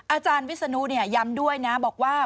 อาจารย์วิศนุย้ำด้วยนะบอกว่า